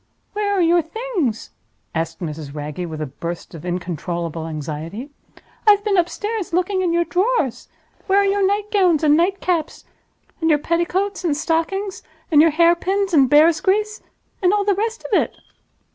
"Where are your Things?" asked Mrs. Wragge, with a burst of incontrollable anxiety. "I've been upstairs looking in your drawers. Where are your night gowns and night caps? and your petticoats and stockings? and your hair pins and bear's grease, and all the rest of it?"